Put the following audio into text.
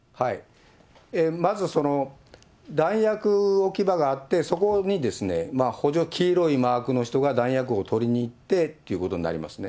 まず、弾薬置場があって、そこにですね、黄色いマークの人が弾薬を取りにいってということになりますね。